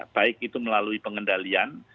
baik itu melalui pengendalian